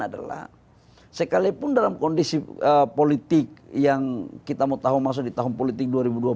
adalah sekalipun dalam kondisi politik yang kita mau tahu masuk di tahun politik dua ribu dua puluh